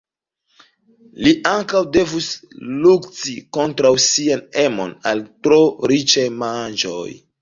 Li ankaŭ devus lukti kontraŭ sian emon al tro riĉaj manĝoj.